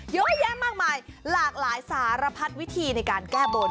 เยอะแยะมากมายหลากหลายสารพัดวิธีในการแก้บน